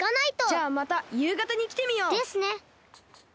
じゃあまたゆうがたにきてみよう。ですね。